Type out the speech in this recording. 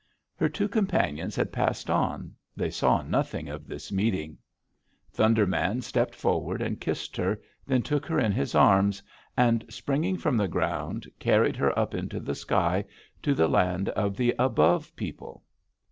"Her two companions had passed on; they saw nothing of this meeting. Thunder Man stepped forward, and kissed her, then took her in his arms, and, springing from the ground, carried her up into the sky to the land of the Above People.